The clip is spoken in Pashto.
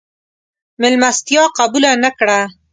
مېلمستیا قبوله نه کړه.